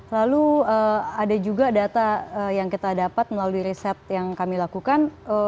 lalu ada juga data yang kita dapat melalui riset yang kami lakukan